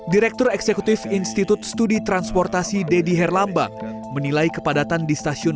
direktur eksekutif institut studi transportasi deddy herlambang menilai kepadatan di stasiun